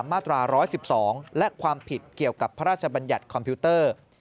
มาตรา๑๑๒และความผิดเกี่ยวกับพระราชบัญญัติคอมพิวเตอร์